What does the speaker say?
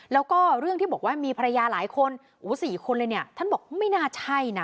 แล้วก็เรื่องที่บอกว่ามีภรรยาหลายคนสี่คนเลยเนี่ยท่านบอกไม่น่าใช่นะ